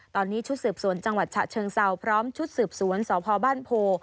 ตอนนี้ชุดสืบสวนจังหวัดฉะเชิงเซาพร้อมชุดสืบสวนสพบ้านโพ